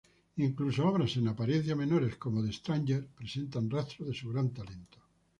Incluso obras en apariencia menores, como "The Stranger", presentan rastros de su gran talento.